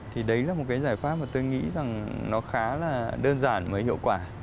thì đấy là một cái giải pháp mà tôi nghĩ rằng nó khá là đơn giản và hiệu quả